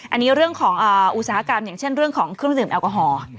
อันนี้เรื่องของอุตสาหกรรมอย่างเช่นเรื่องของเครื่องดื่มแอลกอฮอล์